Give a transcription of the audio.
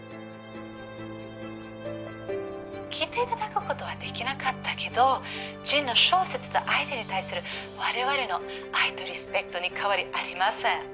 「来て頂く事はできなかったけどジンの小説とあなたに対する我々の愛とリスペクトに変わりありません」